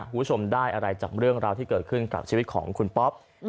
คุณผู้ชมได้อะไรจากเรื่องราวที่เกิดขึ้นกับชีวิตของคุณป๊อป